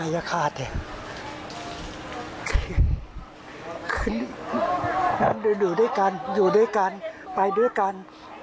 อยู่ด้วยกันไปด้วยกัน